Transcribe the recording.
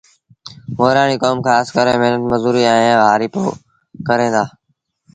مورآڻيٚ ڪوم کآس ڪري مهنت مزوري ائيٚݩ هآرپو ڪريݩ دآ